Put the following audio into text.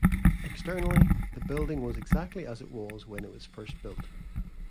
Externally, the building is exactly as it was when it was first built.